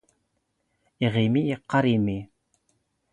ⵉⵖⵉⵎⵉ ⵉⵇⵇⴰⵔ ⵉⵎⵉ